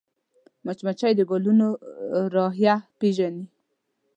مچمچۍ د ګلونو رایحه پېژني